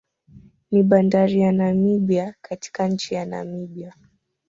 Ni bandari ya Namibia katika nchi ya Namibia